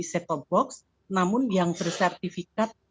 set top box namun yang bersertifikat